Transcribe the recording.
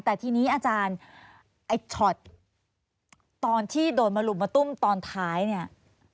แต่ทีนี้อาจารย์ไอ้ช็อตตอนที่โดนมาลุมมาตุ้มตอนท้ายเนี่ย